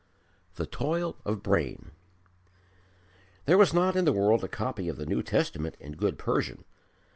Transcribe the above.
The Toil of Brain There was not in the world a copy of the New Testament in good Persian.